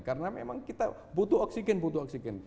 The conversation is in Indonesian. karena memang kita butuh oksigen